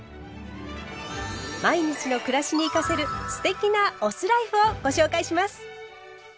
毎日の暮らしに生かせる“酢テキ”なお酢ライフをご紹介します。